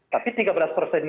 tapi tiga belas persen